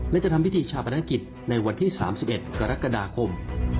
และจะทำพิธีชาปนกิจในวันที่๓๑กรกฎาคม